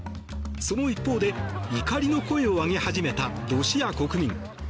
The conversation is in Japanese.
その一方で怒りの声を上げ始めたロシア国民。